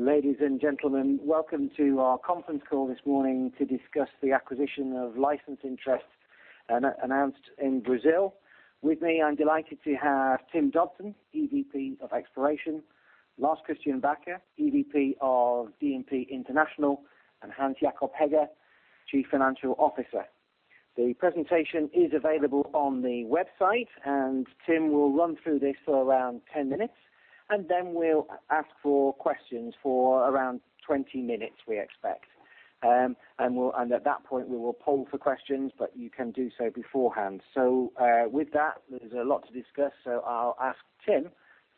Ladies and gentlemen, welcome to our conference call this morning to discuss the acquisition of license interest announced in Brazil. With me, I'm delighted to have Tim Dodson, EVP of Exploration, Lars Christian Bacher, EVP of DPI International, and Hans Jakob Hegge, Chief Financial Officer. The presentation is available on the website, and Tim will run through this for around 10 minutes, and then we'll ask for questions for around 20 minutes, we expect. We'll at that point poll for questions, but you can do so beforehand. With that, there's a lot to discuss, so I'll ask Tim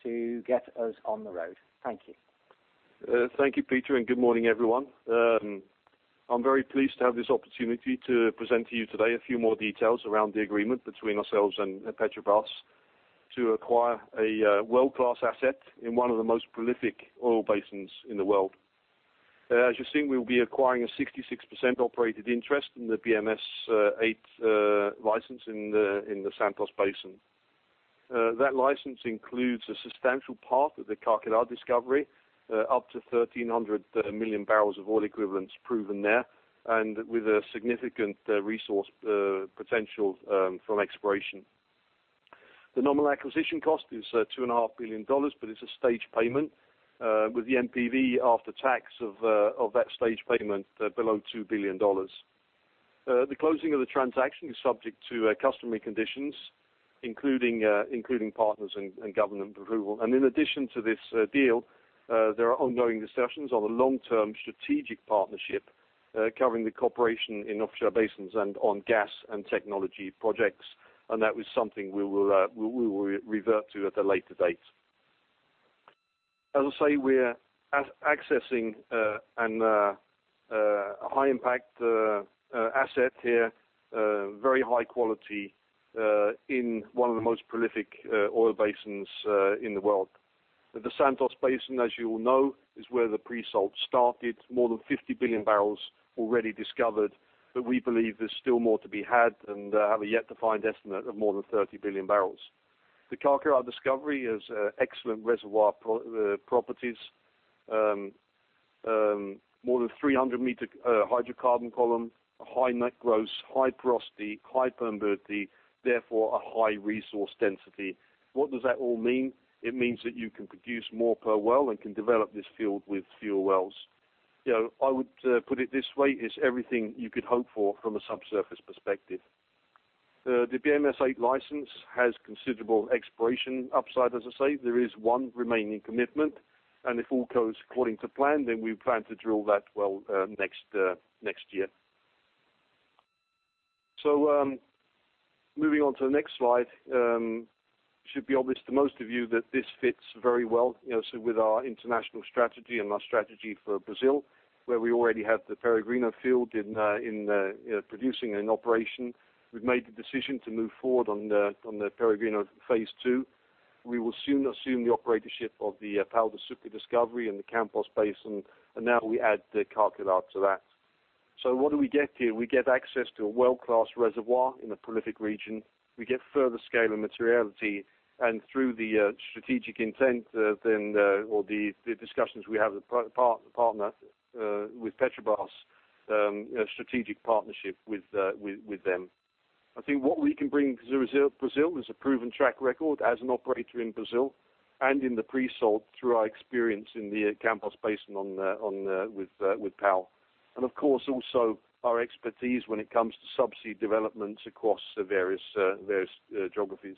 to get us on the road. Thank you. Thank you, Peter, and good morning, everyone. I'm very pleased to have this opportunity to present to you today a few more details around the agreement between ourselves and Petrobras to acquire a world-class asset in one of the most prolific oil basins in the world. As you've seen, we'll be acquiring a 66% operated interest in the BMS-8 license in the Santos Basin. That license includes a substantial part of the Carcará discovery, up to 1,300 million barrels of oil equivalents proven there, and with a significant resource potential from exploration. The normal acquisition cost is $2.5 billion, but it's a staged payment, with the NPV after tax of that staged payment below $2 billion. The closing of the transaction is subject to customary conditions, including partners and government approval. In addition to this deal, there are ongoing discussions on a long-term strategic partnership covering the cooperation in offshore basins and on gas and technology projects. That was something we will revert to at a later date. As I say, we're accessing a high impact asset here, very high quality, in one of the most prolific oil basins in the world. The Santos Basin, as you all know, is where the pre-salt started, more than 50 billion barrels already discovered, but we believe there's still more to be had and have a yet to find estimate of more than 30 billion barrels. The Carcará discovery has excellent reservoir properties. More than 300-meter hydrocarbon column, a high net gross, high porosity, high permeability, therefore a high resource density. What does that all mean? It means that you can produce more per well and can develop this field with fewer wells. You know, I would put it this way, it's everything you could hope for from a subsurface perspective. The BMS-8 license has considerable exploration upside, as I say. There is one remaining commitment, and if all goes according to plan, then we plan to drill that well next year. Moving on to the next slide, should be obvious to most of you that this fits very well, you know, so with our international strategy and our strategy for Brazil, where we already have the Peregrino field in producing and operation. We've made the decision to move forward on the Peregrino Phase Two. We will soon assume the operatorship of the Pão de Açúcar discovery in the Campos Basin, and now we add the Carcará to that. What do we get here? We get access to a world-class reservoir in a prolific region. We get further scale and materiality, and through the strategic intent, then, or the discussions we have with partner, with Petrobras, a strategic partnership with them. I think what we can bring to Brazil is a proven track record as an operator in Brazil and in the pre-salt through our experience in the Campos Basin with Pão. Of course, also our expertise when it comes to subsea developments across the various geographies.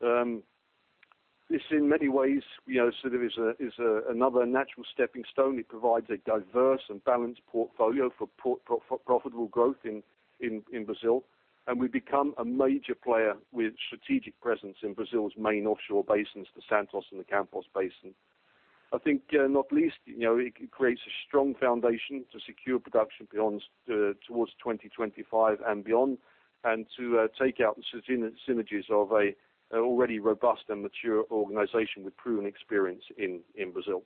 This in many ways, you know, sort of is another natural stepping stone. It provides a diverse and balanced portfolio for profitable growth in Brazil. We become a major player with strategic presence in Brazil's main offshore basins, the Santos and the Campos Basin. I think, not least, you know, it creates a strong foundation to secure production beyond towards 2025 and beyond, and to take out the synergies of an already robust and mature organization with proven experience in Brazil.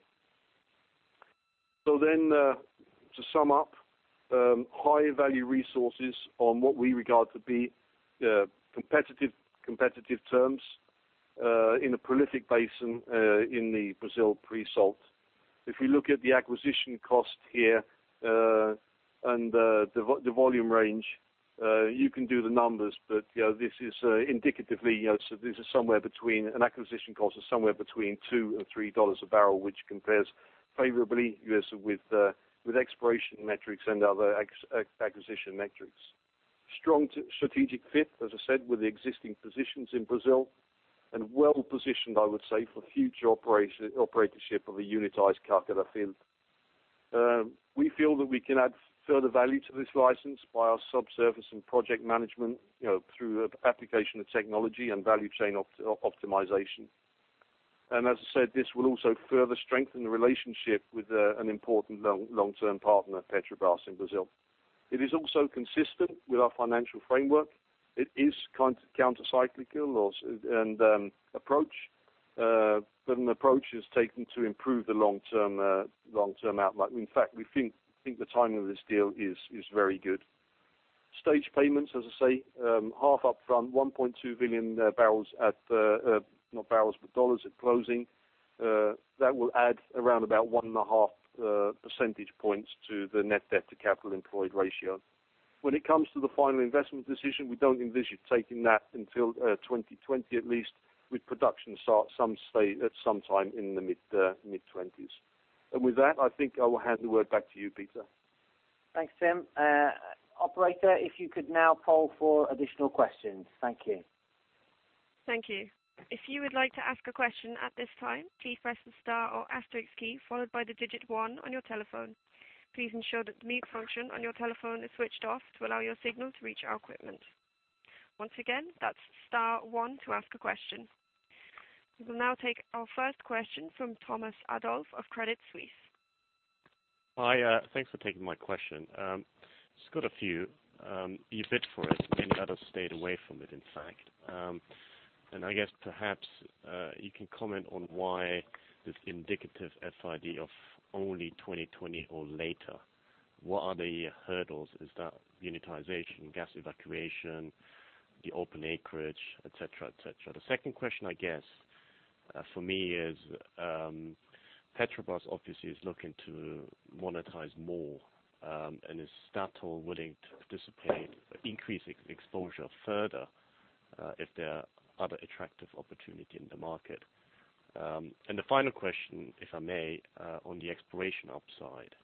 To sum up, high value resources on what we regard to be competitive terms in a prolific basin in the Brazil pre-salt. If you look at the acquisition cost here and the volume range, you can do the numbers, but you know, this is indicatively you know, this is somewhere between $2 and $3 a barrel, which compares favorably you know, with exploration metrics and other acquisition metrics. Strong strategic fit, as I said, with the existing positions in Brazil, and well-positioned, I would say, for future operatorship of a unitized Carcará field. We feel that we can add further value to this license by our subsurface and project management, you know, through the application of technology and value chain optimization. As I said, this will also further strengthen the relationship with an important long-term partner, Petrobras in Brazil. It is also consistent with our financial framework. It is countercyclical approach, but an approach is taken to improve the long-term outlook. In fact, we think the timing of this deal is very good. Staged payments, as I say, half upfront, $1.2 billion dollars at closing. That will add around about 1.5 percentage points to the net debt to capital employed ratio. When it comes to the final investment decision, we don't envision taking that until 2020 at least with production start at some time in the mid-twenties. With that, I think I will hand the word back to you, Peter. Thanks, Tim. Operator, if you could now poll for additional questions. Thank you. Thank you. If you would like to ask a question at this time, please press the star or asterisk key followed by the digit one on your telephone. Please ensure that the mute function on your telephone is switched off to allow your signal to reach our equipment. Once again, that's star one to ask a question. We will now take our first question from Thomas Adolff of Credit Suisse. Hi, thanks for taking my question. Just got a few. You bid for it, many others stayed away from it, in fact. I guess perhaps you can comment on why this indicative FID of only 2020 or later, what are the hurdles? Is that unitization, gas evacuation, the open acreage, et cetera, et cetera. The second question, I guess, for me is, Petrobras obviously is looking to monetize more, and is Statoil willing to participate, increase exposure further, if there are other attractive opportunity in the market? The final question, if I may, on the exploration upside,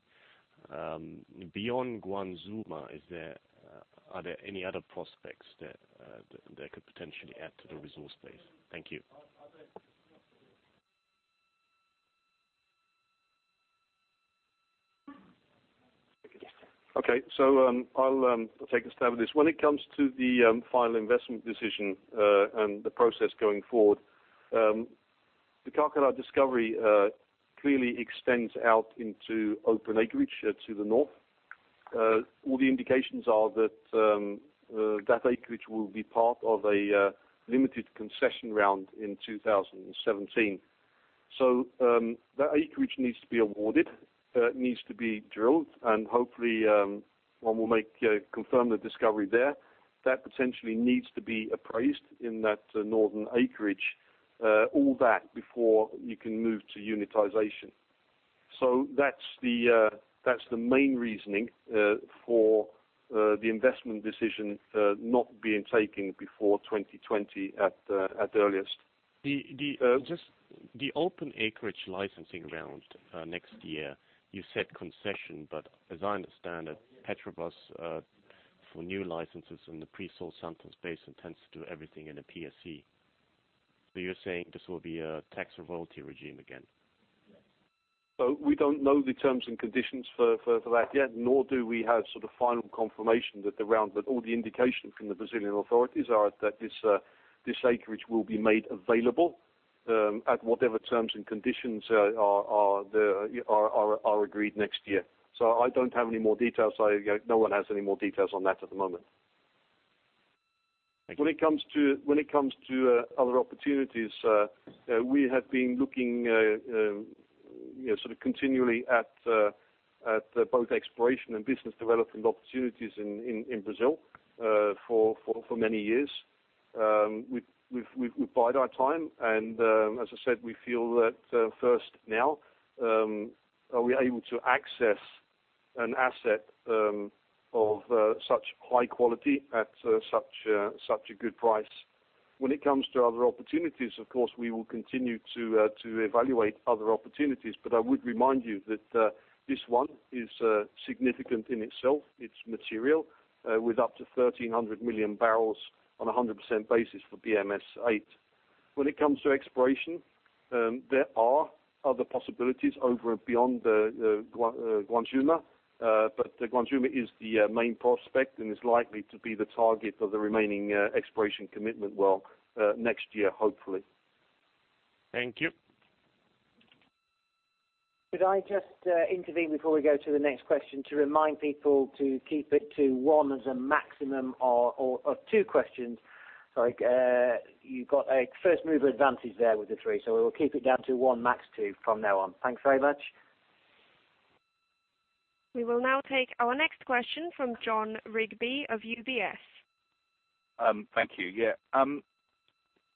beyond Guanxuma, is there, are there any other prospects that could potentially add to the resource base? Thank you. Okay. I'll take a stab at this. When it comes to the final investment decision and the process going forward, the Carcará discovery clearly extends out into open acreage to the north. All the indications are that that acreage will be part of a limited concession round in 2017. That acreage needs to be awarded, needs to be drilled, and hopefully, one will confirm the discovery there. That potentially needs to be appraised in that northern acreage, all that before you can move to unitization. That's the main reasoning for the investment decision not being taken before 2020 at earliest. Just the open acreage licensing round next year you said concession, but as I understand it, Petrobras for new licenses in the pre-salt Santos Basin tends to do everything in a PSC. You're saying this will be a tax or royalty regime again? We don't know the terms and conditions for that yet, nor do we have sort of final confirmation that the round, but all the indications from the Brazilian authorities are that this acreage will be made available at whatever terms and conditions are agreed next year. I don't have any more details. No one has any more details on that at the moment. Thank you. When it comes to other opportunities, we have been looking, you know, sort of continually at both exploration and business development opportunities in Brazil for many years. We've bided our time and, as I said, we feel that first now are we able to access an asset of such high quality at such a good price. When it comes to other opportunities, of course, we will continue to evaluate other opportunities, but I would remind you that this one is significant in itself. It's material with up to 1,300 million barrels on a 100% basis for BMS-8. When it comes to exploration, there are other possibilities over and beyond Guanxuma. Guanxuma is the main prospect and is likely to be the target of the remaining exploration commitment well next year, hopefully. Thank you. Could I just intervene before we go to the next question to remind people to keep it to one as a maximum or of two questions? Like, you got a first mover advantage there with the three, so we will keep it down to one, max two from now on. Thanks very much. We will now take our next question from Jon Rigby of UBS. Thank you.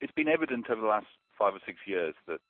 It's been evident over the last five or six years that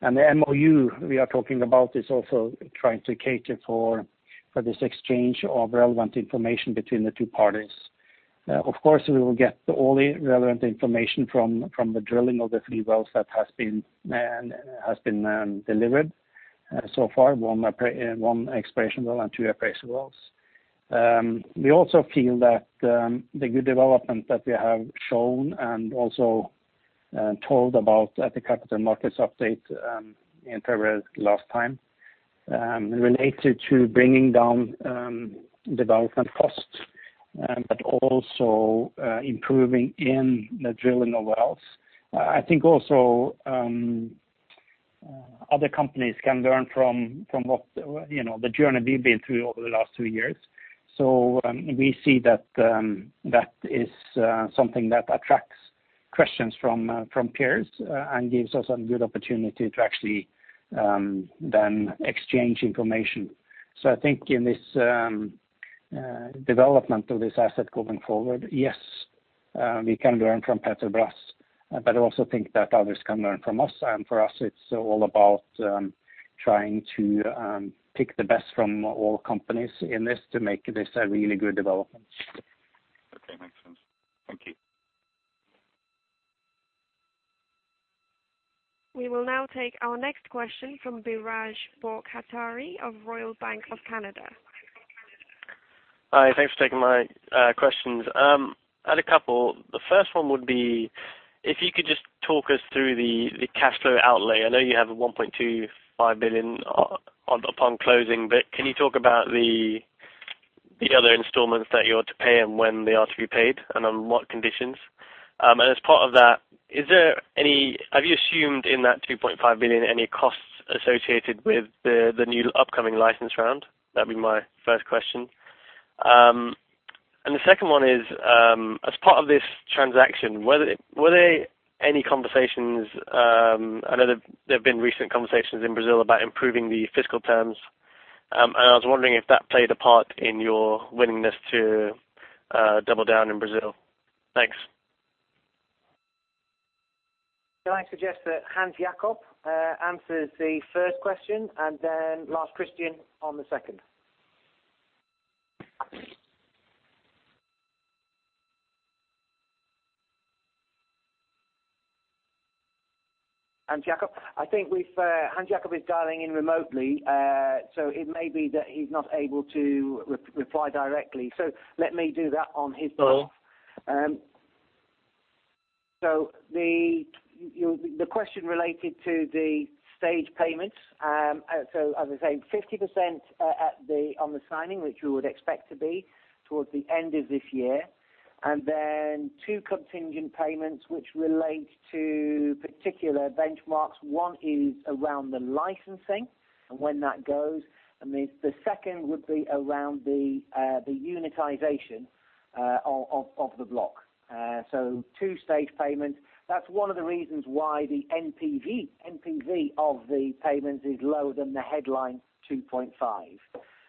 The MOU we are talking about is also trying to cater for this exchange of relevant information between the two parties. Of course, we will get all the relevant information from the drilling of the three wells that has been delivered so far, one exploration well, and two appraisal wells. We also feel that the good development that we have shown and also told about at the Capital Markets Update in February last time related to bringing down development costs but also improving in the drilling of wells. I think also, other companies can learn from what, you know, the journey we've been through over the last two years. We see that that is something that attracts questions from peers and gives us a good opportunity to actually then exchange information. I think in this development of this asset going forward, yes, we can learn from Petrobras, but I also think that others can learn from us. For us, it's all about trying to pick the best from all companies in this to make this a really good development. Okay. Makes sense. Thank you. We will now take our next question from Biraj Borkhataria of Royal Bank of Canada. Hi. Thanks for taking my questions. I had a couple. The first one would be if you could just talk us through the cash flow outlay. I know you have a $1.25 billion upon closing, but can you talk about the other installments that you're to pay and when they are to be paid, and on what conditions? As part of that, have you assumed in that $2.5 billion any costs associated with the new upcoming license round? That'd be my first question. The second one is, as part of this transaction, were there any conversations? I know there have been recent conversations in Brazil about improving the fiscal terms. I was wondering if that played a part in your willingness to double down in Brazil. Thanks. Can I suggest that Hans Jakob Hegge answers the first question and then Lars Christian Bacher on the second? Hans Jakob Hegge? I think we have Hans Jakob Hegge dialing in remotely. It may be that he's not able to reply directly. Let me do that on his behalf. Sure. The question related to the stage payments. As I said, 50% on the signing, which we would expect to be towards the end of this year, and then two contingent payments, which relate to particular benchmarks. One is around the licensing and when that goes, and the second would be around the unitization of the block. two-stage payments. That's one of the reasons why the NPV of the payments is lower than the headline $2.5.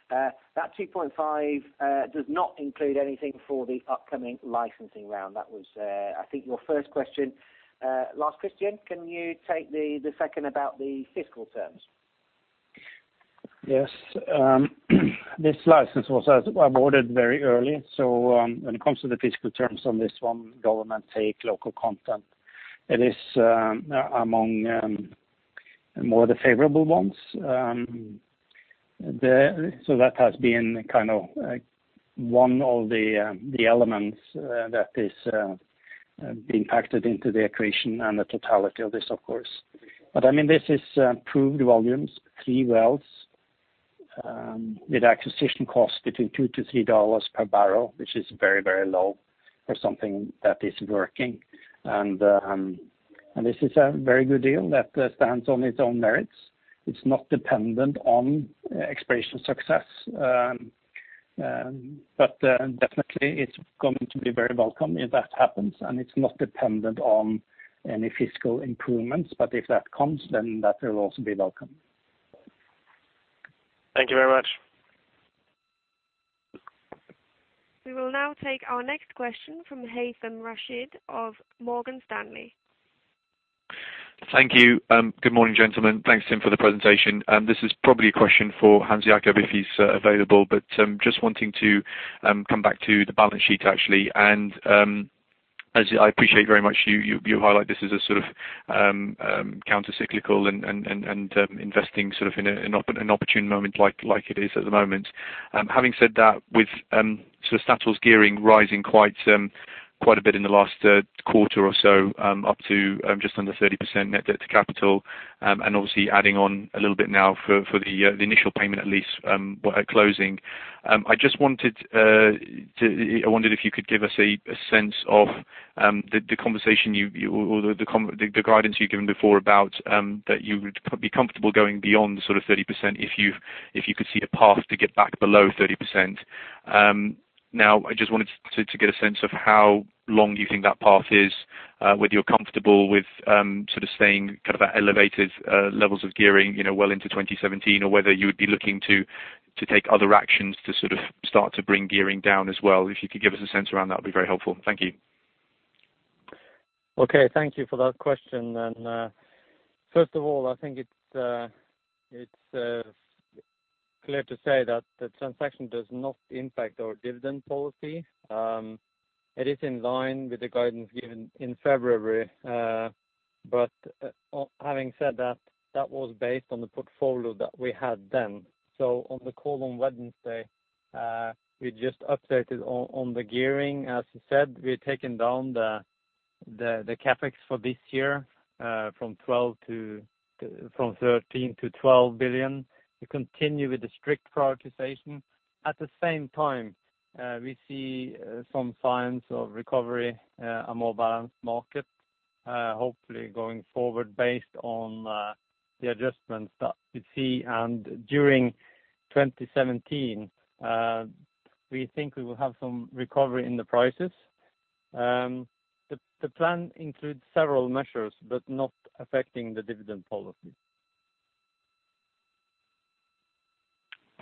That $2.5 does not include anything for the upcoming licensing round. That was, I think, your first question. Lars Christian, can you take the second about the fiscal terms? Yes. This license was awarded very early, so when it comes to the fiscal terms on this one, government take, local content, it is among the more favorable ones. So that has been kind of one of the elements that is being factored into the accretion and the totality of this, of course. I mean, this is proved volumes, three wells, with acquisition cost between $2-$3 per barrel, which is very, very low for something that is working. This is a very good deal that stands on its own merits. It's not dependent on exploration success. Definitely it's going to be very welcome if that happens. It's not dependent on any fiscal improvements, but if that comes, then that will also be welcome. Thank you very much. We will now take our next question from Haythem Rachid of Morgan Stanley. Thank you. Good morning, gentlemen. Thanks, Tim Dodson, for the presentation. This is probably a question for Hans Jakob Hegge, if he's available. Just wanting to come back to the balance sheet actually. As I appreciate very much, you highlight this as a sort of countercyclical and investing sort of in an opportune moment like it is at the moment. Having said that, with sort of Statoil's gearing rising quite a bit in the last quarter or so, up to just under 30% net debt to capital, and obviously adding on a little bit now for the initial payment at least, by closing. I just wanted to, I wondered if you could give us a sense of the conversation you or the guidance you've given before about that you would be comfortable going beyond sort of 30% if you could see a path to get back below 30%. Now I just wanted to get a sense of how long do you think that path is? Whether you're comfortable with, sort of staying kind of at elevated levels of gearing, you know, well into 2017, or whether you would be looking to take other actions to sort of start to bring gearing down as well? If you could give us a sense around that would be very helpful. Thank you. Okay, thank you for that question. First of all, I think it's clear to say that the transaction does not impact our dividend policy. It is in line with the guidance given in February. Having said that was based on the portfolio that we had then. On the call on Wednesday, we just updated on the gearing. As you said, we're taking down the CapEx for this year, from $13 billion to $12 billion. We continue with the strict prioritization. At the same time, we see some signs of recovery, a more balanced market, hopefully going forward based on the adjustments that we see. During 2017, we think we will have some recovery in the prices. The plan includes several measures, but not affecting the dividend policy.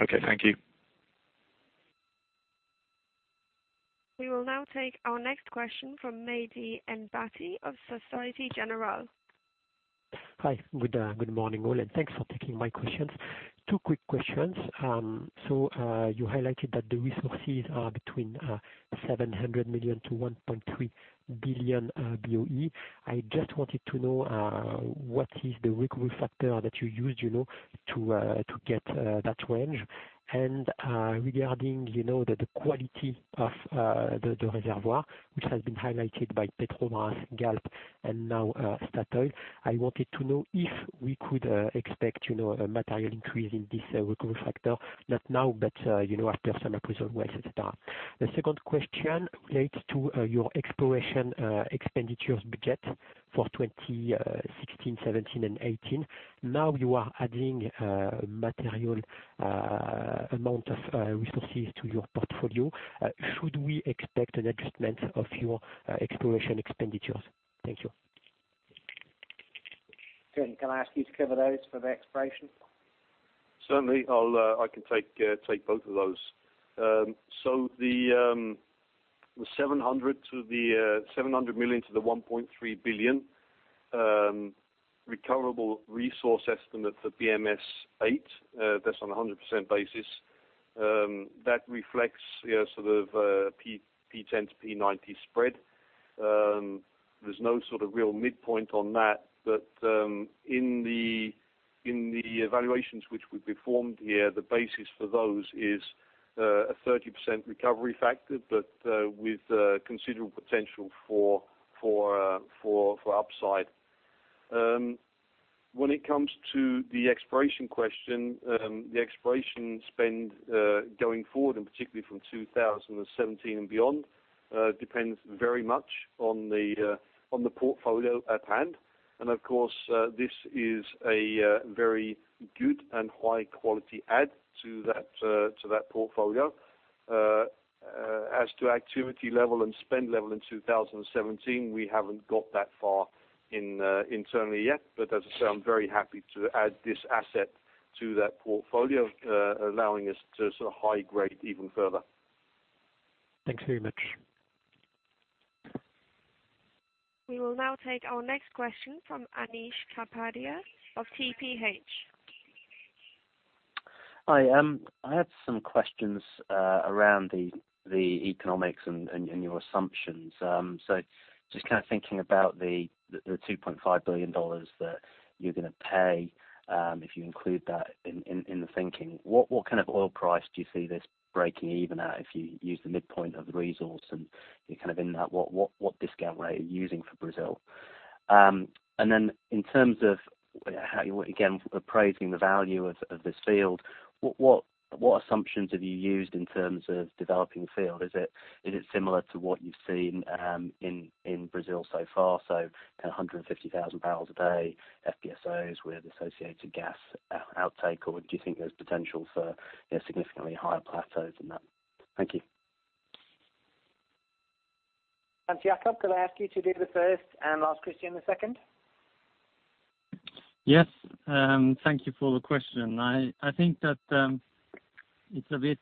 Okay, thank you. We will now take our next question from Mehdi Ennebati of Société Générale. Hi. Good morning, all, and thanks for taking my questions. Two quick questions. You highlighted that the resources are between 700 million-1.3 billion BOE. I just wanted to know what is the recovery factor that you used, you know, to get that range? Regarding, you know, the quality of the reservoir, which has been highlighted by Petrobras, Galp, and now Statoil, I wanted to know if we could expect, you know, a material increase in this recovery factor, not now, but you know, after some appraisal wells, et cetera. The second question relates to your exploration expenditures budget for 2016, 2017, and 2018. Now you are adding material amount of resources to your portfolio. Should we expect an adjustment of your exploration expenditures? Thank you. Christian, can I ask you to cover those for the exploration? Certainly. I can take both of those. So the 700 million-1.3 billion recoverable resource estimate for BMS-8, that's on a 100% basis, that reflects, you know, sort of, P10 to P90 spread. There's no sort of real midpoint on that. In the evaluations which we've performed here, the basis for those is a 30% recovery factor, but with considerable potential for upside. When it comes to the exploration question, the exploration spend going forward, and particularly from 2017 and beyond, depends very much on the portfolio at hand. Of course, this is a very good and high quality add to that portfolio. As to activity level and spend level in 2017, we haven't got that far in internally yet. As I say, I'm very happy to add this asset to that portfolio, allowing us to sort of high grade even further. Thanks very much. We will now take our next question from Anish Kapadia of TPH&Co. Hi. I had some questions around the economics and your assumptions. Just kind of thinking about the $2.5 billion that you're gonna pay, if you include that in the thinking. What kind of oil price do you see this breaking even at if you use the midpoint of the resource, and you're kind of in that, what discount rate are you using for Brazil? And then in terms of how you again appraising the value of this field, what assumptions have you used in terms of developing the field? Is it similar to what you've seen in Brazil so far, so kind of 150,000 barrels a day, FPSOs with associated gas outtake? Do you think there's potential for, you know, significantly higher plateaus than that? Thank you. Hans Jakob Hegge, could I ask you to do the first, and Lars Christian Bacher the second? Thank you for the question. I think that it's a bit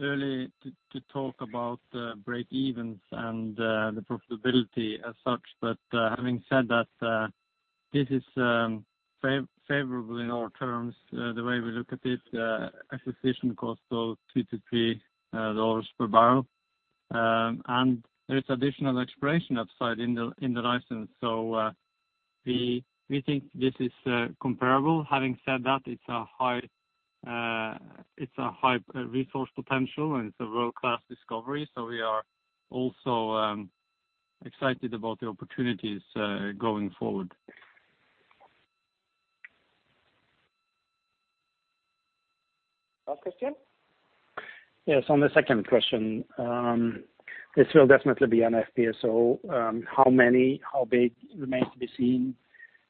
early to talk about breakevens and the profitability as such. Having said that, this is favorable in our terms, the way we look at it. Acquisition cost of $2-$3 per barrel. And there is additional exploration upside in the license. We think this is comparable. Having said that, it's a high resource potential, and it's a world-class discovery. We are also excited about the opportunities going forward. Lars Christian? Yes, on the second question, this will definitely be an FPSO. How many, how big remains to be seen.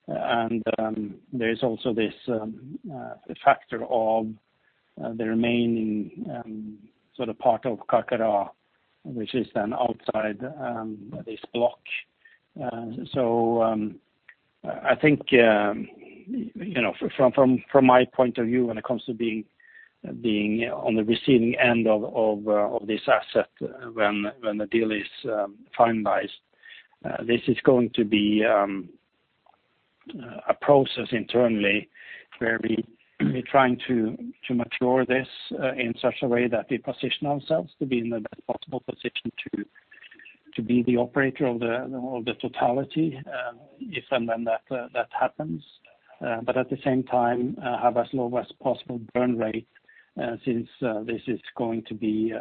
There is also this factor of. The remaining sort of part of Carcará, which is then outside this block. I think, you know, from my point of view when it comes to being on the receiving end of this asset when the deal is finalized, this is going to be a process internally where we're trying to mature this in such a way that we position ourselves to be in the best possible position to be the operator of the totality, if and when that happens. At the same time, have as low as possible burn rate, since this is going to be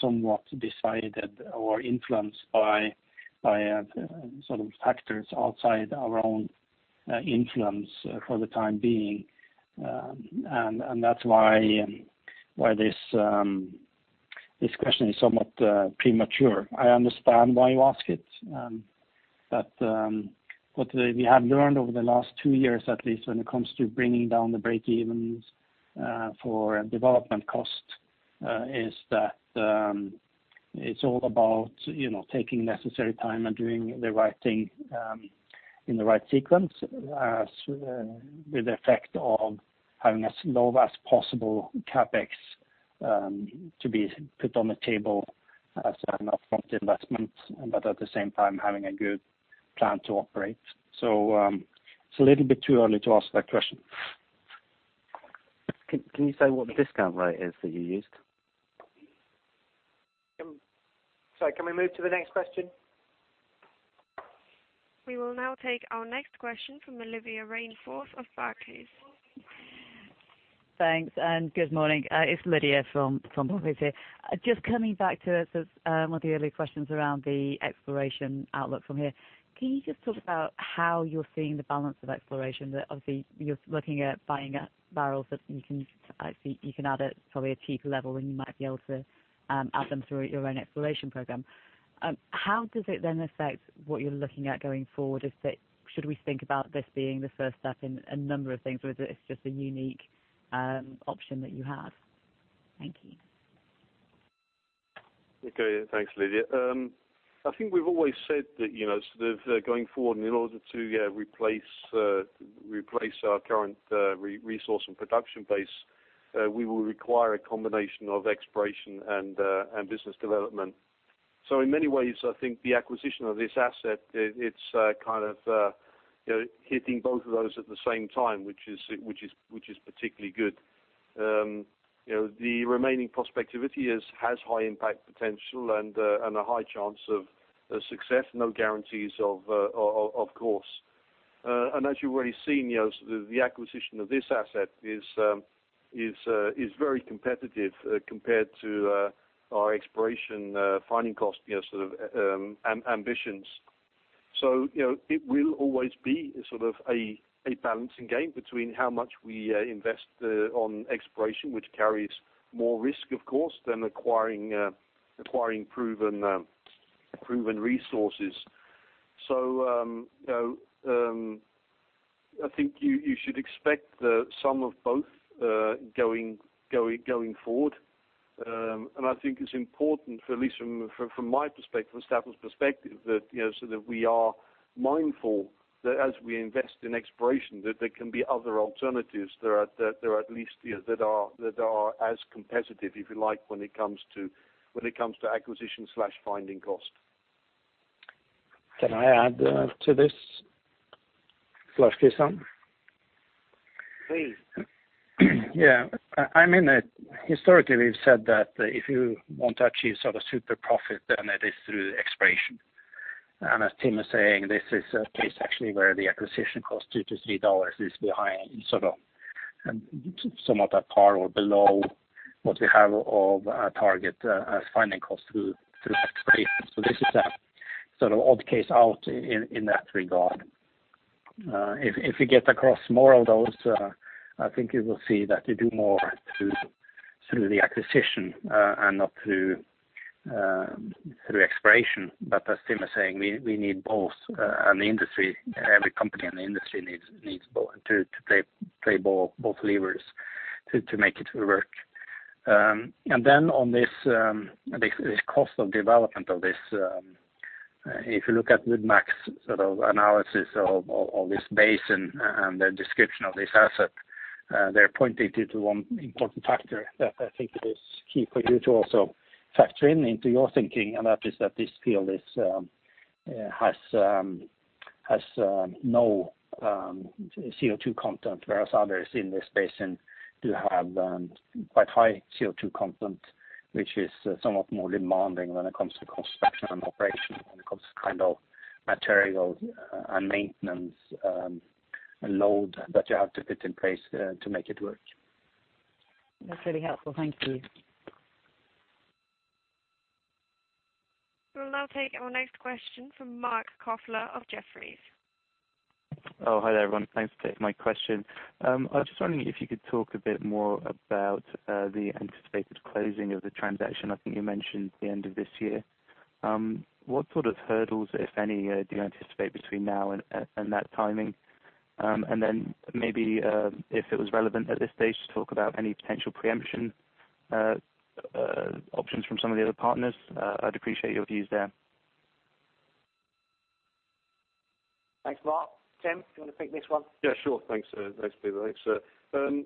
somewhat decided or influenced by sort of factors outside our own influence for the time being. That's why this question is somewhat premature. I understand why you ask it. What we have learned over the last two years, at least when it comes to bringing down the breakevens for development cost, is that it's all about, you know, taking necessary time and doing the right thing in the right sequence. As with the effect of having as low as possible CapEx to be put on the table as an upfront investment, but at the same time having a good plan to operate. It's a little bit too early to ask that question. Can you say what the discount rate is that you used? Sorry, can we move to the next question? We will now take our next question from Lydia Rainforth of Barclays. Thanks, good morning. It's Lydia from Barclays here. Just coming back to sort of one of the earlier questions around the exploration outlook from here. Can you just talk about how you're seeing the balance of exploration that obviously you're looking at buying up barrels that you can actually add at probably a cheaper level than you might be able to add them through your own exploration program. How does it then affect what you're looking at going forward? Is it should we think about this being the first step in a number of things, or is it just a unique option that you have? Thank you. Okay. Thanks, Lydia. I think we've always said that, you know, sort of, going forward and in order to replace our current resource and production base, we will require a combination of exploration and business development. In many ways, I think the acquisition of this asset, it's kind of, you know, hitting both of those at the same time, which is particularly good. You know, the remaining prospectivity has high impact potential and a high chance of success. No guarantees of course. And as you've already seen, you know, the acquisition of this asset is very competitive compared to our exploration finding cost, you know, sort of ambitions. You know, it will always be sort of a balancing game between how much we invest in exploration, which carries more risk of course, than acquiring proven resources. You know, I think you should expect the sum of both going forward. I think it's important, at least from my perspective, from Equinor's perspective, that we are mindful that as we invest in exploration, that there can be other alternatives, there are at least that are as competitive, if you like, when it comes to acquisition slash finding cost. Can I add to this, Lars Christian? Please. Yeah. I mean, historically we've said that if you want to achieve sort of super profit then it is through exploration. As Tim was saying, this is a case actually where the acquisition cost $2-$3 is behind sort of, somewhat at par or below what we have of our target, as finding cost through exploration. This is a sort of odd case out in that regard. If we get across more of those, I think you will see that we do more through the acquisition, and not through exploration. As Tim was saying, we need both, and the industry, every company in the industry needs both to play both levers to make it work. On this cost of development of this, if you look at Wood Mackenzie's sort of analysis of this basin and their description of this asset, they're pointing to one important factor that I think is key for you to also factor in into your thinking. That is that this field has no CO2 content, whereas others in this basin do have quite high CO2 content, which is somewhat more demanding when it comes to construction and operation, when it comes to kind of materials, and maintenance load that you have to put in place to make it work. That's really helpful. Thank you. We'll now take our next question from Mark Sherlock of Jefferies. Oh, hi there everyone. Thanks. Take my question. I was just wondering if you could talk a bit more about the anticipated closing of the transaction. I think you mentioned the end of this year. What sort of hurdles, if any, do you anticipate between now and that timing? And then maybe, if it was relevant at this stage, just talk about any potential preemption options from some of the other partners. I'd appreciate your views there. Thanks, Marc. Tim, do you wanna pick this one? Yeah, sure. Thanks, Peter. Thanks.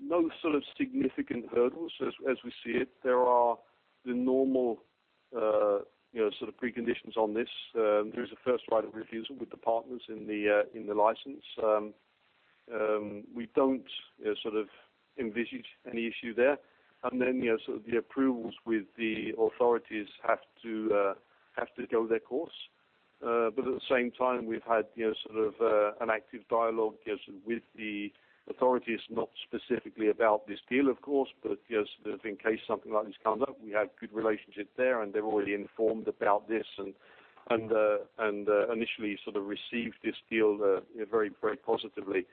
No sort of significant hurdles as we see it. There are the normal, you know, sort of preconditions on this. There is a first right of refusal with the partners in the license. We don't sort of envisage any issue there. Then, you know, sort of the approvals with the authorities have to go their course. At the same time, we've had, you know, sort of an active dialogue, you know, sort of with the authorities, not specifically about this deal, of course, but, you know, sort of in case something like this come up. We have good relationships there, and they're already informed about this and initially sort of received this deal very, very positively.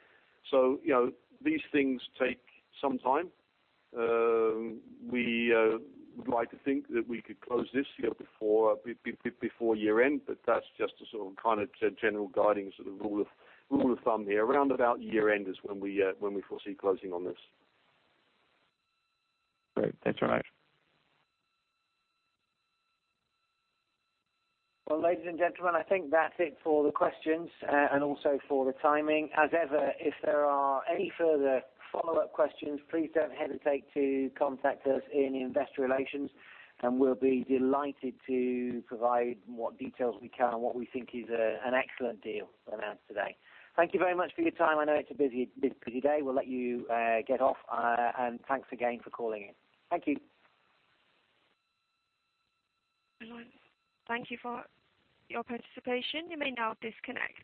You know, these things take some time. We would like to think that we could close this, you know, before year end, but that's just a sort of kind of general guiding sort of rule of thumb here. Around about year end is when we foresee closing on this. Great. Thanks very much. Well, ladies and gentlemen, I think that's it for the questions, and also for the timing. As ever, if there are any further follow-up questions, please don't hesitate to contact us in Investor Relations, and we'll be delighted to provide what details we can on what we think is an excellent deal announced today. Thank you very much for your time. I know it's a busy day. We'll let you get off, and thanks again for calling in. Thank you. Thank you for your participation. You may now disconnect.